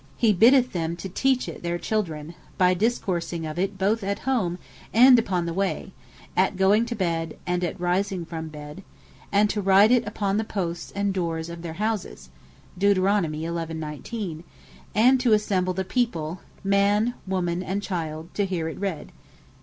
11. 19) he biddeth them to teach it their Children, by discoursing of it both at home, and upon the way; at going to bed, and at rising from bed; and to write it upon the posts, and dores of their houses; and (Deut. 31. 12) to assemble the people, man, woman, and child, to heare it read.